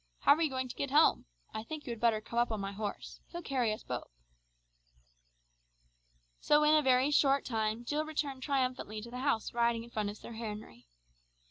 How are you going to get home? I think you had better come up on my horse. He'll carry us both." So in a very short time Jill returned triumphantly to the house riding in front of Sir Henry.